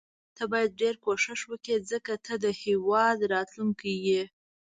ته باید ډیر کوښښ وکړي ځکه ته د هیواد راتلوونکی یې.